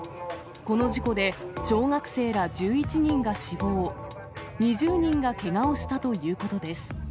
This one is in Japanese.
この事故で、小学生ら１１人が死亡、２０人がけがをしたということです。